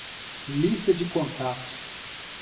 Lista de contatos.